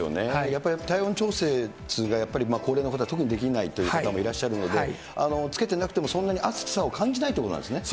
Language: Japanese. やっぱり体温調節が高齢の方は特にできないという方もいらっしゃるので、つけてなくても、そんなに暑さを感じないということなんですね。